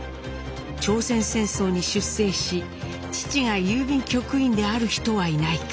朝鮮戦争に出征し父が郵便局員である人はいないか。